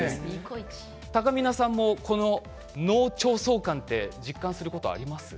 たかみなさんも脳腸相関実感すること、ありますか？